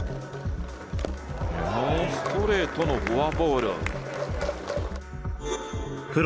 ストレートのフォアボールプロ